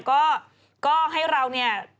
ก็ให้เราเนี่ย